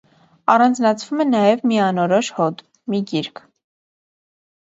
Առանձնացվում է նաև մի անորոշ հոդ (մի գիրք)։